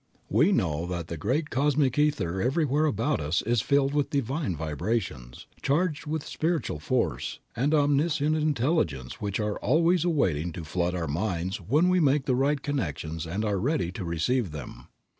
We know that the great cosmic ether everywhere about us is filled with divine vibrations, charged with spiritual force, and omniscient intelligence which are always waiting to flood our minds when we make the right connections and are ready to receive them.